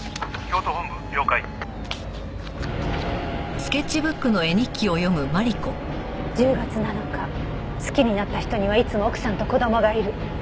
「京都本部了解」「１０月７日好きになった人にはいつも奥さんと子供がいる」